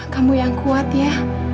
kamu yang kuat ya